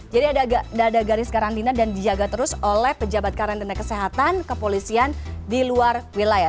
jadi ada garis karantina dan dijaga terus oleh pejabat karantina kesehatan kepolisian di luar wilayah